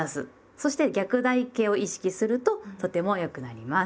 そして逆台形を意識するととても良くなります。